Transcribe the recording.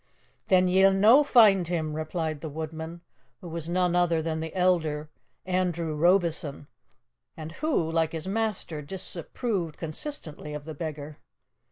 "Then ye'll no find him," replied the woodman, who was none other than the elder, Andrew Robieson, and who, like his master, disapproved consistently of the beggar.